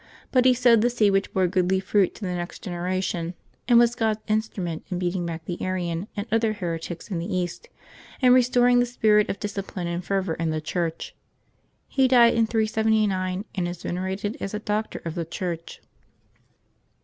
But he sowed the seed which bore goodly fruit in the next generation, and was God's instrument in beating back the Arian and other heretics in the East, and restor ing the spirit of discipline and fervor in the Church. He died in 379, and is venerated as a Doctor of the Church.